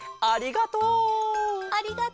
ありがとう！